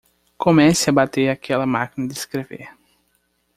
Comece a bater aquela máquina de escrever.